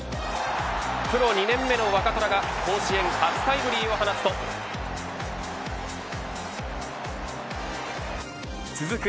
プロ２年目の若虎が甲子園初タイムリーを放つと続く